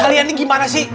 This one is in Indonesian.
kalian ini gimana sih